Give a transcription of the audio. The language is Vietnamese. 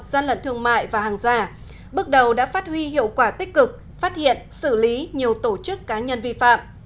gian lận thương mại và hàng giả bước đầu đã phát huy hiệu quả tích cực phát hiện xử lý nhiều tổ chức cá nhân vi phạm